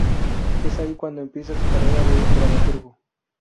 Es ahí cuando empieza su carrera de dramaturgo.